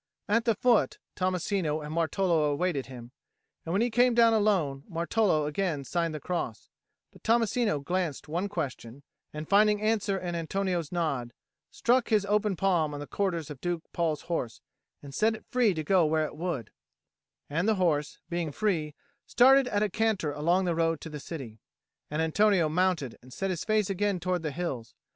At the foot, Tommasino and Martolo awaited him; and when he came down alone, Martolo again signed the cross; but Tommasino glanced one question, and, finding answer in Antonio's nod, struck his open palm on the quarters of Duke Paul's horse and set it free to go where it would; and the horse, being free, started at a canter along the road to the city. And Antonio mounted and set his face again towards the hills.